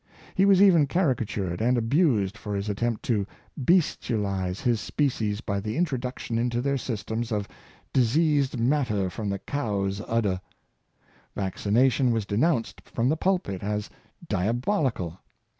He was even caricatured and abused for his at tempt to " bestialize " his species by the introduction into their systems of diseased matter from the cow's ud der. Vaccination was denounced from the pulpit as "dia bolical."